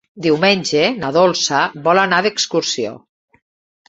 Diumenge na Dolça vol anar d'excursió.